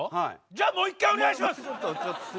じゃあもう１回お願いします！